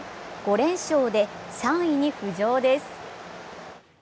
５連勝で３位に浮上です。